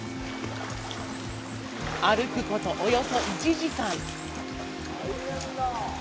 歩くこと、およそ１時間。